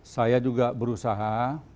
saya juga berusaha